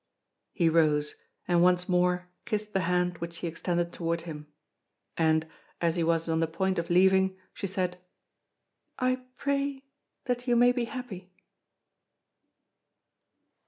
He rose, and once more kissed the hand which she extended toward him; and, as he was on the point of leaving, she said: "I pray that you may be happy."